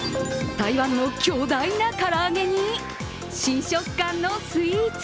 台湾の巨大な唐揚げに新食感のスイーツ。